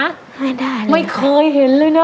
ไม่ได้ไม่เคยเห็นเลยนะ